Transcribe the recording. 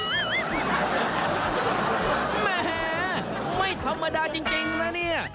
แหมไม่ธรรมดาจริงนะเนี่ย